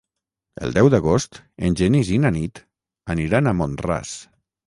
El deu d'agost en Genís i na Nit aniran a Mont-ras.